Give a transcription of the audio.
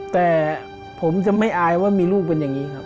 แต่ผมจะไม่อายว่ามีลูกเป็นอย่างนี้ครับ